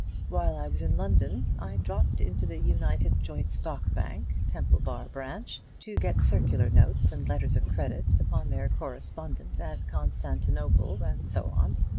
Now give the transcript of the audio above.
While I was in London I dropped into the United Joint Stock Bank, Temple Bar Branch, to get circular notes and letters of credit upon their correspondent at Constantinople, and so on.